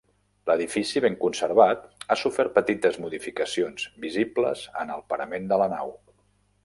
L'edifici ben conservat, ha sofert petites modificacions visibles en el parament de la nau.